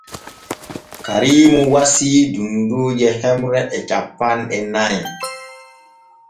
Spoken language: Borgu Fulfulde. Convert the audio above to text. Kariimu wasii dunduuje hemre e cappanɗe nay.